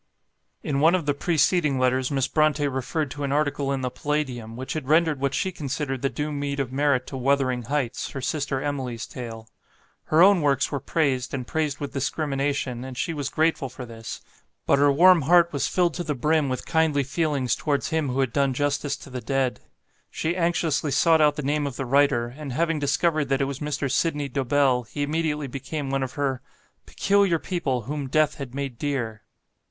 In one of the preceding letters, Miss Brontë referred to am article in the Palladium, which had rendered what she considered the due meed of merit to "Wuthering Heights", her sister Emily's tale. Her own works were praised, and praised with discrimination, and she was grateful for this. But her warm heart was filled to the brim with kindly feelings towards him who had done justice to the dead. She anxiously sought out the name of the writer; and having discovered that it was Mr. Sydney Dobell he immediately became one of her "Peculiar people whom Death had made dear."